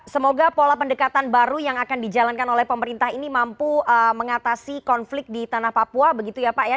semoga pola pendekatan baru yang akan dijalankan oleh pemerintah ini mampu mengatasi konflik di tanah papua begitu ya pak ya